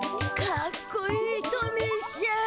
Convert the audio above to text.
かっこいいトミーしゃん。